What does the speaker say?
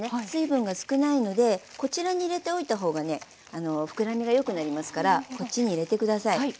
水分が少ないのでこちらに入れておいた方がね膨らみがよくなりますからこっちに入れて下さい。